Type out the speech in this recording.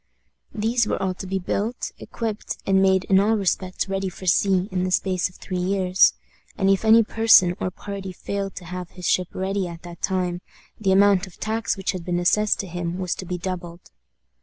These were all to be built, equipped, and made in all respects ready for sea in the space of three years; and if any person or party failed to have his ship ready at that time, the amount of the tax which had been assessed to him was to be doubled.